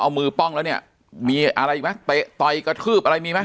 เอามือป้องแล้วเนี่ยมีอะไรอีกไหมเตะต่อยกระทืบอะไรมีไหม